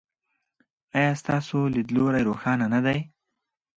ایا ستاسو لید لوری روښانه نه دی؟